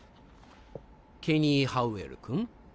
ケニー・ハウエル君。